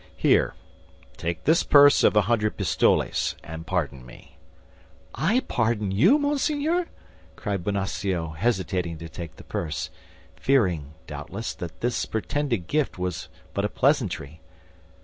Here, take this purse of a hundred pistoles, and pardon me." "I pardon you, monseigneur!" said Bonacieux, hesitating to take the purse, fearing, doubtless, that this pretended gift was but a pleasantry.